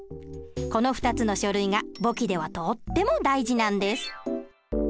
この２つの書類が簿記ではとっても大事なんです。